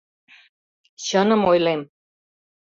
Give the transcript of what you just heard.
Чыным ойлем.